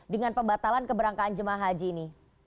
dengan pembatalan keberangkatan jemaah haji ini